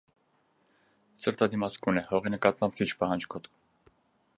Ցրտադիմացկուն է, հողի նկատմամբ քիչ պահանջկոտ։